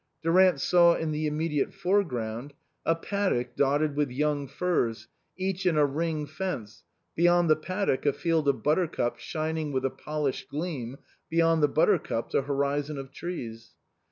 Durant saw in the immediate foreground a paddock dotted with young firs, each in a ring fence, beyond the paddock a field of buttercups shining with a polished gleam, beyond the buttercups a horizon of trees.